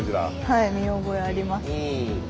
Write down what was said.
はい見覚えあります。